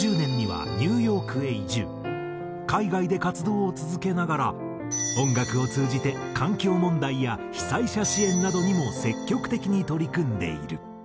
海外で活動を続けながら音楽を通じて環境問題や被災者支援などにも積極的に取り組んでいる。